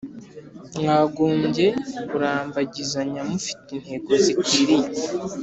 Mwagombye kurambagizanya mufite intego zikwiriye